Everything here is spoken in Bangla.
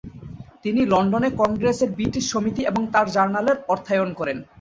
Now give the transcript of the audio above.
তিনি লন্ডনে কংগ্রেসের ব্রিটিশ সমিতি এবং তার জার্নালের অর্থায়ন করেন।